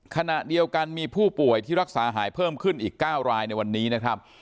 ขณะเดียวกันมีผู้ป่วยที่รักษาหายเพิ่มขึ้นอีก๙รายในวันนี้นะครับ